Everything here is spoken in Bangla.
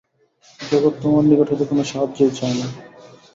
জগৎ তোমার নিকট হইতে কোন সাহায্যই চায় না।